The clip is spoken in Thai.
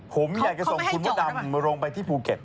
ผมอยากจะส่งคุณมดดำลงไปที่ภูเก็ต